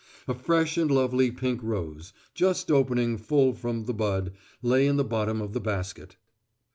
A fresh and lovely pink rose, just opening full from the bud, lay in the bottom of the basket.